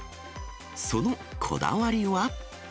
そのこだわりは？